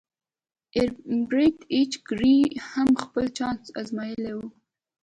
ایلبرټ ایچ ګیري هم خپل چانس ازمایلی و